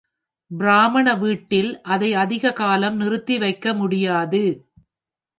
பிராமண வீட்டில் அதை அதிக காலம் நிறுத்தி வைக்க முடியாது.